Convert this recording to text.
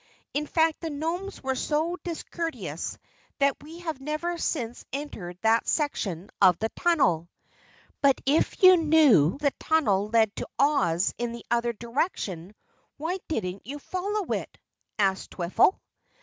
In fact the Nomes were so discourteous that we have never since entered that section of the tunnel." "But if you knew the tunnel led to Oz in the other direction, why didn't you follow it?" asked Twiffle.